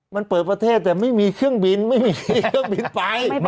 มันเปิดประเทศแต่ไม่มีเครื่องบินไม่มีเครื่องบินไฟ